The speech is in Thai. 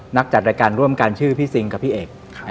จัดรายการร่วมกันชื่อพี่ซิงกับพี่เอก